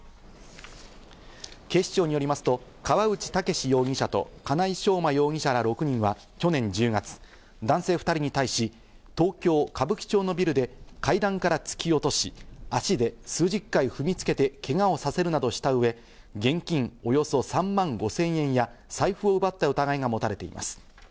警視庁によりますと、河内剛容疑者と、金井将馬容疑者ら６人は去年１０月、男性２人に対し東京・歌舞伎町のビルで階段から突き落とし、足で数十回踏みつけてけがをさせるなどしたうえ、現金およそ３万５０００円や財布を奪った疑いが持たれています。